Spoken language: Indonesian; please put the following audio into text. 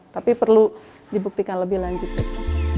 tapi perlu dibuktikan lebih lanjut